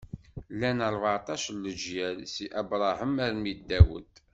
Llan ṛbeɛṭac n leǧyal si Abṛaham armi d Dawed.